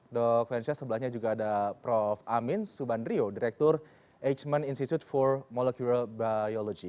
dok fensha sebelahnya juga ada prof amin subandrio direktur hmn institute for molecular biology